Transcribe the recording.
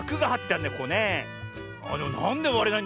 あっでもなんでわれないんだろう？